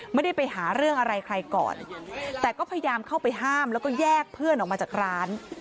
ไม่ได้ไปหาเรื่องอะไรใครก่อนแต่ก็พยายามเข้าไปห้ามแล้วก็แยกเพื่อนออกมาจากร้าน